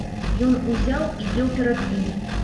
Ён узяў і еў перад імі.